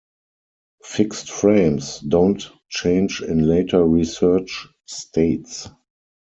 Fixed frames don't change in later research states.